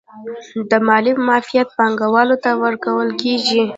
د مالیې معافیت پانګوالو ته ورکول کیږي